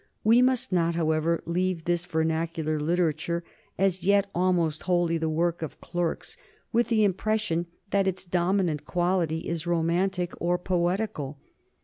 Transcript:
We must not, however, leave this vernacular literature, as yet almost wholly the work of clerks, with the impression that its dominant quality is romantic or poetical.